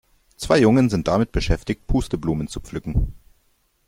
Zwei Jungen sind damit beschäftigt, Pusteblumen zu pflücken.